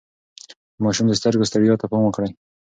د ماشوم د سترګو ستړيا ته پام وکړئ.